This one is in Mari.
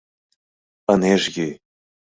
— Ынеж йӱ...